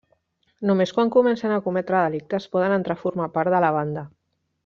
Només quan comencen a cometre delictes poden entrar a formar part de la banda.